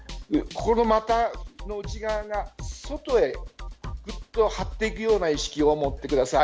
股の内側が外へぐっと張っていくような意識を持ってください。